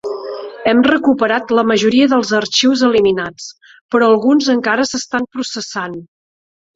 Hem recuperat la majoria dels arxius eliminats, però alguns encara s'estan processant.